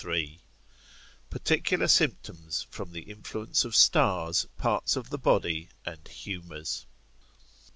—Particular Symptoms from the influence of Stars, parts of the Body, and Humours.